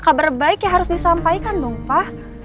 kabar baik ya harus disampaikan dong pak